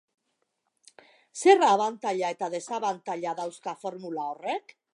Zer abantaila eta desabantaila dauzka formula horrek?